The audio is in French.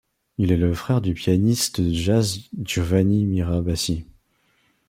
Il est le frère du pianiste de jazz Giovanni Mirabassi.